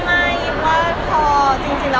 แปลงเปิดมีแปลงเท่าที่ได้นะ